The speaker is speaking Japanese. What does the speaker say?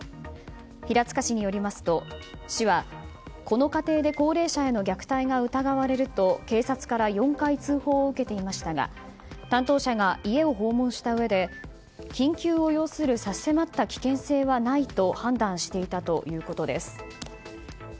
平塚市によりますと、市はこの家庭で高齢者への虐待が疑われると警察から４回通報を受けていましたが担当者が家を訪問したうえで緊急を要する差し迫った危険性はないと判断していたということです。